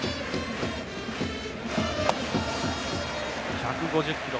１５０キロ。